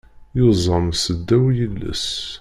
Yuẓam seddaw yiles.